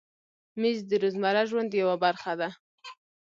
مېز د روزمره ژوند یوه برخه ده.